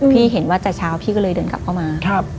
เห็นว่าจะเช้าพี่ก็เลยเดินกลับเข้ามา